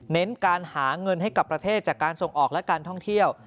เน้นการหาเงินให้กับประเทศจากการส่งออกและการท่องเที่ยว